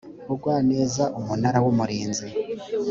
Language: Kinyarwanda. bugwaneza umunara w umurinzi